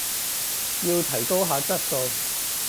要提高下質素